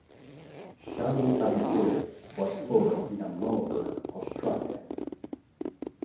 Shirley Abicair was born in Melbourne, Australia.